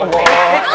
allah allah bu